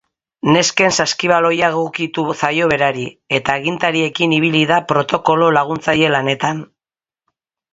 Nesken saskibaloia egokitu zaio berari, eta agintariekin ibili da protokolo laguntzaile lanetan.